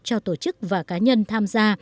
cho tổ chức và cá nhân tham gia